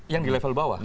yang di level bawah